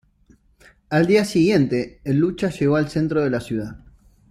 Al día siguiente, el lucha llegó al centro de la ciudad.